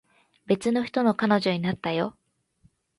別の人の彼女になったよ